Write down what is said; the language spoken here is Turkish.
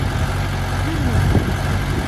Gülmeyin!